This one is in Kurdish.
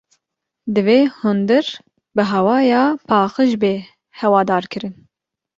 Divê hundir bi hewaya paqîj bê hawadarkirin